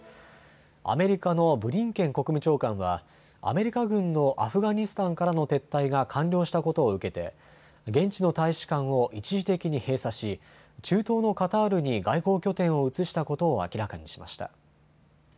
アメリカのブリンケン国務長官はアメリカ軍のアフガニスタンからの撤退が完了したことを受けて現地の大使館を一時的に閉鎖し中東のカタールに外交拠点を移したことを明らかにしました。